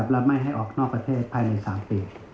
และไม่ให้ออกนอกประเทศภายใน๓ปี